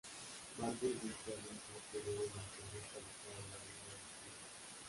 Marge le dice a Lisa que debe mantenerse alejada de la vida de Zia.